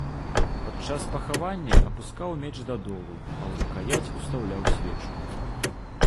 Пад час пахавання апускаў меч да долу, а ў рукаяць устаўляў свечку.